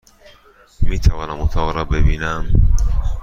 میتوانم اتاق را ببینم؟